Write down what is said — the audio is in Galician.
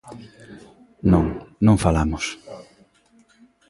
Non, non falamos.